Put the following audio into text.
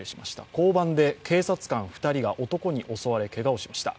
交番で警察官２人が男に襲われけがをしました。